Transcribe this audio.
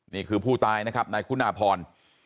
นี่คือผู้ตายนะครับนายคุณาพร